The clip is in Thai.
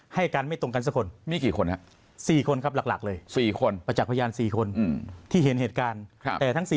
ให้การไม่ตรงกันสักคน